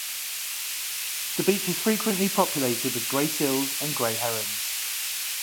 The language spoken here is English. The beach is frequently populated with grey seals and grey herons.